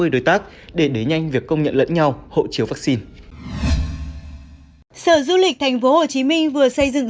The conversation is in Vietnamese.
sáu mươi đối tác để đế nhanh việc công nhận lẫn nhau hộ chiếu vắc xin sở du lịch tp hcm vừa xây dựng